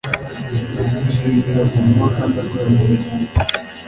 Asinzira ku manywa kandi akora nijoro.